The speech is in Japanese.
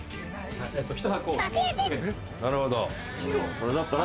それだったら。